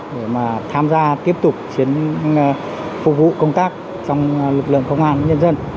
để mà tham gia tiếp tục phục vụ công tác trong lực lượng công an nhân dân